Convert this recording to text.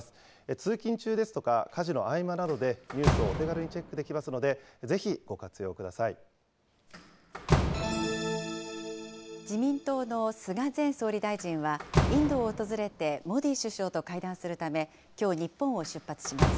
通勤中ですとか家事の合間などでニュースをお手軽にチェックでき自民党の菅前総理大臣は、インドを訪れて、モディ首相と会談するため、きょう、日本を出発します。